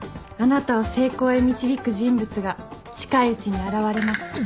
あなたを成功へ導く人物が近いうちに現れます。